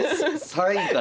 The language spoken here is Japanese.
３位から？